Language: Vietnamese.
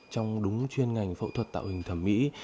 trong đúng chuyên ngành phẫu thuật tạo hình thẩm mỹ